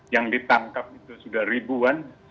yang ditangkap itu sudah ribuan